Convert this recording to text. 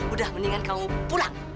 udah mendingan kamu pulang